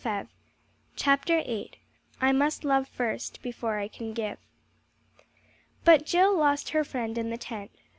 VIII "I MUST LOVE FIRST, BEFORE I CAN GIVE" But Jill lost her friend in the tent.